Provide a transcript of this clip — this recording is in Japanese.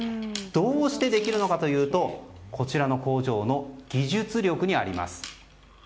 どうしてできるのかというとこちらの工場の技術力にあります。